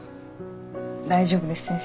大丈夫です先生。